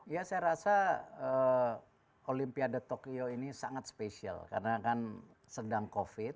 ya saya rasa olimpiade tokyo ini sangat spesial karena kan sedang covid